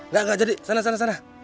gak gak jadi sana sana